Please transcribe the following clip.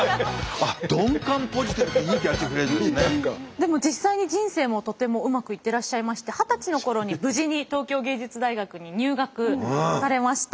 でも実際に人生もとてもうまくいってらっしゃいまして二十歳の頃に無事に東京藝術大学に入学されました。